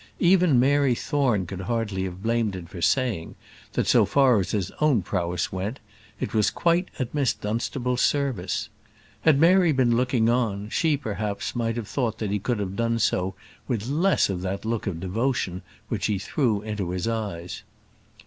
Even Mary Thorne could hardly have blamed him for saying, that so far as his own prowess went, it was quite at Miss Dunstable's service. Had Mary been looking on, she, perhaps, might have thought that he could have done so with less of that look of devotion which he threw into his eyes.